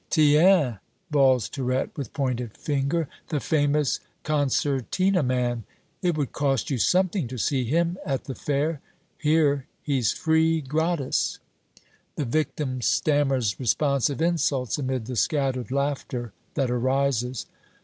"Tiens!" bawls Tirette, with pointed finger, "the famous concertina man! It would cost you something to see him at the fair here, he's free gratis!" The victim stammers responsive insults amid the scattered laughter that arises.